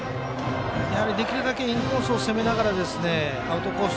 やはり、できるだけインコースを攻めながらアウトコース